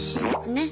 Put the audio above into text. ねっ。